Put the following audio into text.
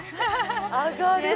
上がる。